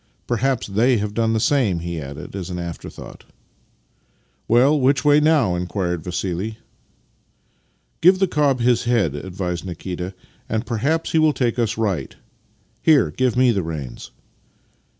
Perhaps they have done the same," he added, as an afterthought. " Well, which way now? " inquired Vassili. ^„" Give the cob his head," advised Nikita, " and H. perhaps he will take us right. Here, give me the reins."